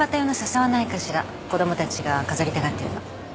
子供たちが飾りたがってるの。